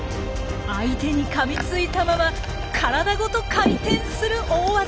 相手にかみついたまま体ごと回転する大技。